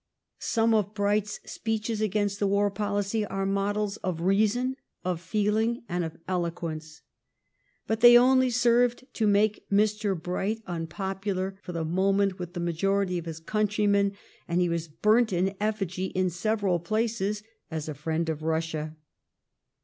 Some of Bright's speeches against the war policy are models of reason, of feeling, and of eloquence. But they only served to make Mr. Bright unpop ular for the moment with the majority of his countrymen, and he was burnt in effigy in several places as the friend of Russia.